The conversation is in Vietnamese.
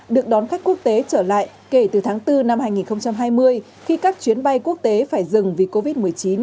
được đón khách quốc tế trở lại kể từ tháng bốn năm hai nghìn hai mươi khi các chuyến bay quốc tế phải dừng vì covid một mươi chín